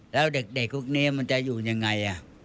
แล้วเด็กพวกนี้มันจะอยู่ยังไง